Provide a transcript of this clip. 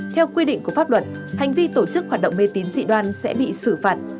theo quy định của pháp luật hành vi tổ chức hoạt động mê tín dị đoan sẽ bị xử phạt